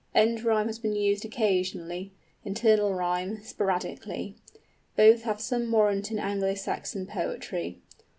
End rhyme has been used occasionally; internal rhyme, sporadically. Both have some warrant in Anglo Saxon poetry.